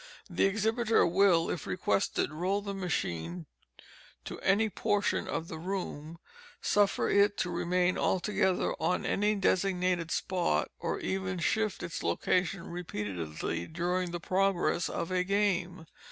The exhibiter will, if requested, roll the machine to any portion of the room, suffer it to remain altogether on any designated spot, or even shift its location repeatedly during the progress of a game.